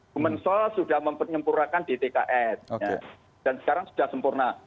bumensol sudah mempernyempurakan dtkf dan sekarang sudah sempurna